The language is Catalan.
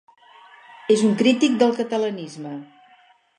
És un crític del catalanisme.